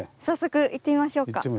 早速行ってみましょうか。